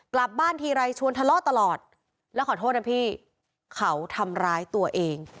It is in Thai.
กลับบ้านทีไรชวนทะเลาะตลอดแล้วขอโทษนะพี่เขาทำร้ายตัวเอง